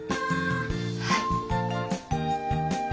はい。